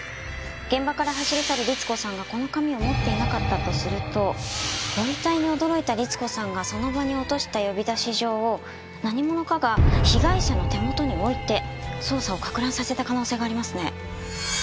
現場から走り去る律子さんがこの紙を持っていなかったとするとご遺体に驚いた律子さんがその場に落とした呼び出し状を何者かが被害者の手元に置いて捜査を攪乱させた可能性がありますね。